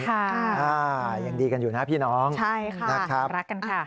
ค่ะยังดีกันอยู่นะพี่น้องใช่ค่ะนะครับรักกันค่ะ